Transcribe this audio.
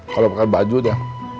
kalau pakai baju dia